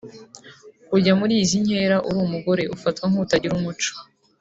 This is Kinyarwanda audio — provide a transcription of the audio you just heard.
Kujya muri izi nkera uri umugore ufatwa nk’utagira umuco